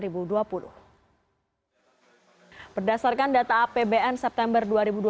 berdasarkan data apbn september dua ribu dua puluh